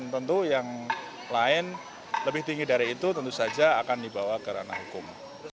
tentu yang lain lebih tinggi dari itu tentu saja akan dibawa ke ranah hukum